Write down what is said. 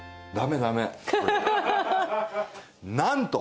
なんと！